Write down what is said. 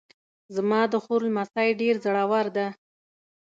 زما د خور لمسی ډېر زړور ده